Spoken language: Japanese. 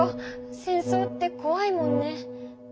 戦争ってこわいもんね。